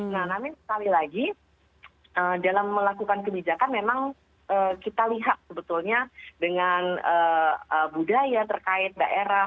nah namun sekali lagi dalam melakukan kebijakan memang kita lihat sebetulnya dengan budaya terkait daerah